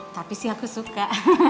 tapi sih aku suka